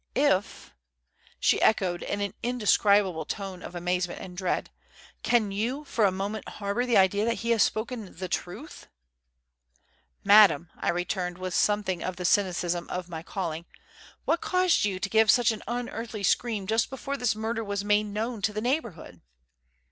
"If?" she echoed in an indescribable tone of amazement and dread. "Can you for a moment harbour the idea that he has spoken the truth?" "Madam," I returned, with something of the cynicism of my calling, "what caused you to give such an unearthly scream just before this murder was made known to the neighbourhood?"